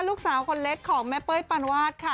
ลูกสาวคนเล็กของแม่เป้ยปานวาดค่ะ